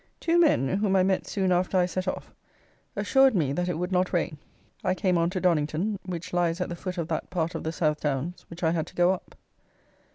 Two men, whom I met soon after I set off, assured me that it would not rain. I came on to Donnington, which lies at the foot of that part of the South Downs which I had to go up.